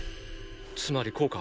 つまりこうか？